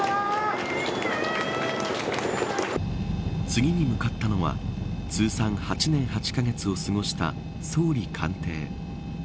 次に向かったのは通算８年８カ月を過ごした総理官邸。